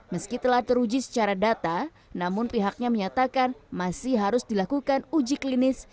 meski telah teruji secara data namun pihaknya menyatakan masih harus dilakukan uji klinis